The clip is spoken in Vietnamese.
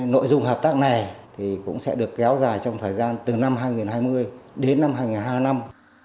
nội dung hợp tác này cũng sẽ được kéo dài trong thời gian từ năm hai nghìn hai mươi đến năm hai nghìn hai mươi năm